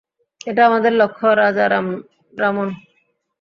এটাই আমাদের লক্ষ্য, রাজারামন।